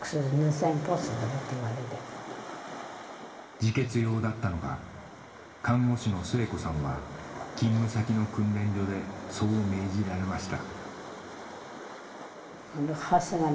自決用だったのか看護師の末子さんは勤務先の訓練所でそう命じられました